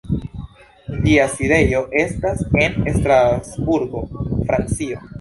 Ĝia sidejo estas en Strasburgo, Francio.